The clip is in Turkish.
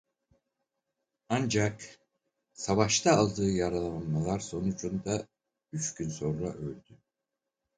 Ancak savaşta aldığı yaralanmalar sonucunda üç gün sonra öldü.